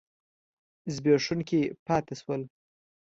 زبېښونکي پاتې شول.